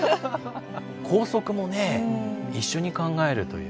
校則もね一緒に考えるという。